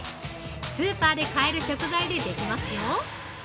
スーパーで買える食材でできますよ。